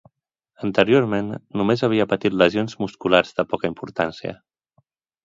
Anteriorment, només havia patit lesions musculars de poca importància.